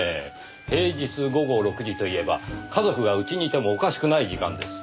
平日午後６時といえば家族がうちにいてもおかしくない時間です。